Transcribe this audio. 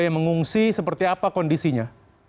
yang mengungsi seperti apa kondisinya